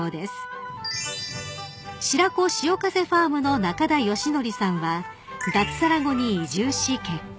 ［白子潮風ファームの仲田吉範さんは脱サラ後に移住し結婚］